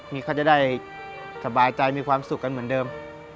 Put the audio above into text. มีเขาจะได้สบายใจมีความสุขกันเหมือนเดิม